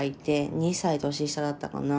２歳年下だったかな。